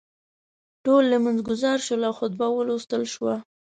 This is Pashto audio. ټول لمونځ ګزار شول او خطبه ولوستل شوه.